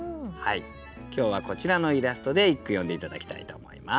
今日はこちらのイラストで一句詠んで頂きたいと思います。